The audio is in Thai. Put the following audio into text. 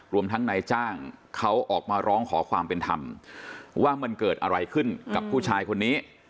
รวมทั้งนายจ้างเขาออกมาร้องขอความเป็นธรรมว่ามันเกิดอะไรขึ้นกับผู้ชายคนนี้